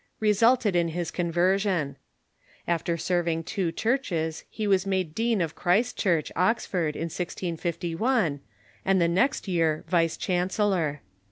resulted in his conversion. After serving two churches he was made dean of Christ Church, Oxford, in 1651, and the next 3^ear vice chancellor.